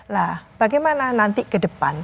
nah bagaimana nanti ke depan